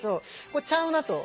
これちゃうなと。